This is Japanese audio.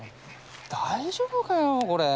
大丈夫かよこれ。